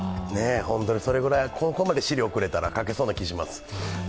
それぐらい、ここまで資料をくれたら書けそうな気がします。